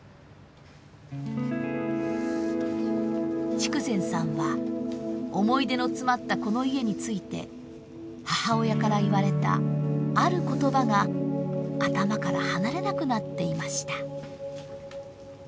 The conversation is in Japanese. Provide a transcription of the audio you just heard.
筑前さんは思い出の詰まったこの家について母親から言われたある言葉が頭から離れなくなっていました。